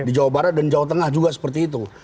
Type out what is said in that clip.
di jawa barat dan jawa tengah juga seperti itu